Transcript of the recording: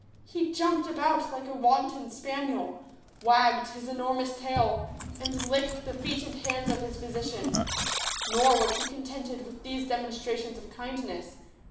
He jumped about like a wanton spaniel, wag ged his enormous tail, and licked the feet and hands of his physician. Nor was he contented with these demonstrations of kindness.